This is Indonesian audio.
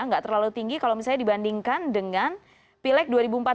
nggak terlalu tinggi kalau misalnya dibandingkan dengan pileg dua ribu empat belas